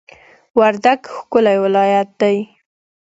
وردګ ښکلی ولایت دی